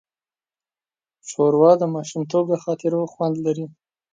ښوروا د ماشومتوب د خاطرو خوند لري.